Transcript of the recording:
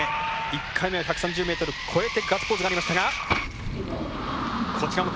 １回目は１３０ｍ越えてガッツポーズがありましたが。